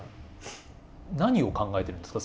何を考えているんですか？